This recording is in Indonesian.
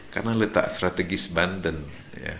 karena letak strategis banten ya